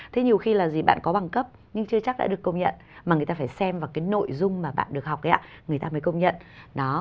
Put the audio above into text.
thế nhiều khi là gì bạn có bằng cấp nhưng chưa chắc đã được công nhận mà người ta phải xem vào cái nội dung mà bạn được học ấy ạ người ta mới công nhận